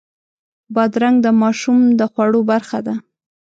بادرنګ د ماشوم د خوړو برخه ده.